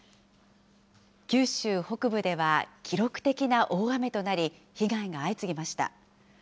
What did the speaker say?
九州北部では記録的な大雨となり、被害が相次ぎました。